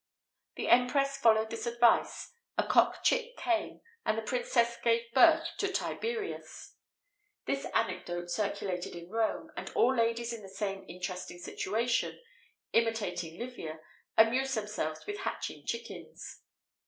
The empress followed this advice; a cock chick came, and the princess gave birth to Tiberius.[XVIII 69] This anecdote circulated in Rome, and all ladies in the same interesting situation, imitating Livia, amused themselves with hatching chickens.